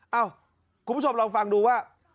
คุณผู้ชมลองฟังดูว่า